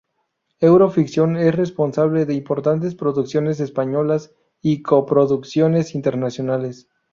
Euro Ficción es responsable de importantes producciones españolas y co-producciones internacionales.